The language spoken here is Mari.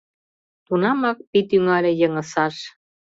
Тунамак пий тӱҥале йыҥысаш.